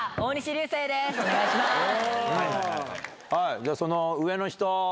じゃあ、その上の人。